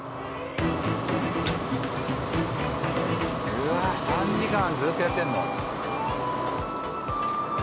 うわあ３時間ずっとやってるの？